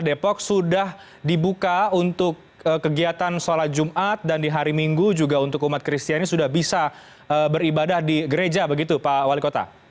depok sudah dibuka untuk kegiatan sholat jumat dan di hari minggu juga untuk umat kristiani sudah bisa beribadah di gereja begitu pak wali kota